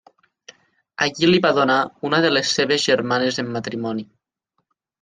Allí li va donar una de les seves germanes en matrimoni.